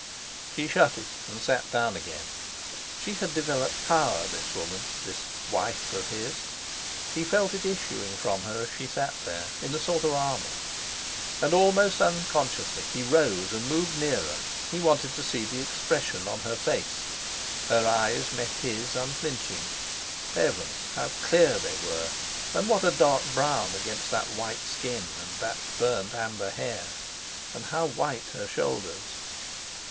She shut it and sat down again. She had developed power, this woman—this—wife of his! He felt it issuing from her as she sat there, in a sort of armour. And almost unconsciously he rose and moved nearer; he wanted to see the expression on her face. Her eyes met his unflinching. Heavens! how clear they were, and what a dark brown against that white skin, and that burnt amber hair! And how white her shoulders.